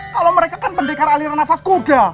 kalau mereka kan pendekar aliran nafas kuda